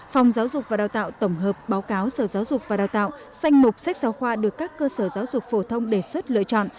phòng giáo dục và đào tạo tổng hợp báo cáo sở giáo dục và đào tạo danh mục sách giáo khoa được các cơ sở giáo dục phổ thông đề xuất lựa chọn